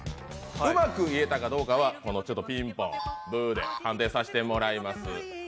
うまく言えたかどうかは、ピンポンブーで判定させてもらいます。